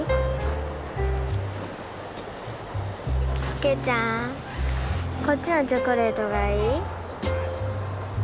啓ちゃんこっちのチョコレートがいい？